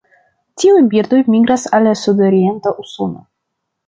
Tiuj birdoj migras al sudorienta Usono.